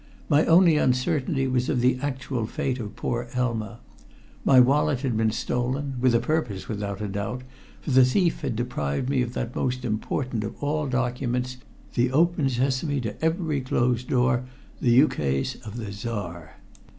My only uncertainty was of the actual fate of poor Elma. My wallet had been stolen with a purpose, without a doubt for the thief had deprived me of that most important of all documents, the open sesame to every closed door, the ukase of the Czar.